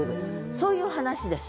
そういう話です。